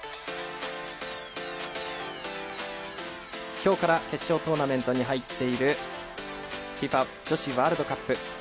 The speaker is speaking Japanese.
今日から決勝トーナメントに入っているＦＩＦＡ女子ワールドカップ。